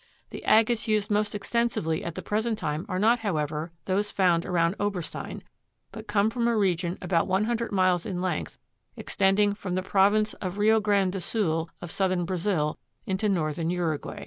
The agates used most extensively at the present time are not, however, those found about Oberstein, but come from a region about one hundred miles in length extending from the Province of Rio Grande do Sul, of Southern Brazil, into Northern Uruguay.